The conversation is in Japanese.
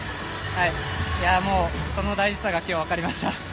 その大事さが今日わかりました。